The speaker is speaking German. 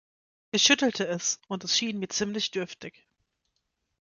Ich schüttelte es, und es schien mir ziemlich dürftig.